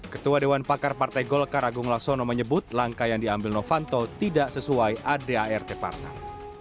ketua dewan pakar partai golkar agung laksono menyebut langkah yang diambil novanto tidak sesuai adart partai